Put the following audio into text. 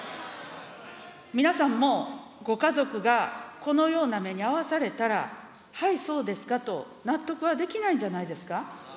皆さんもご家族がこのような目に遭わされたら、はい、そうですかと、納得はできないんじゃないですか。